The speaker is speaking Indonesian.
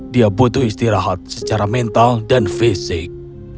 dia butuh istirahat secara mental dan fisik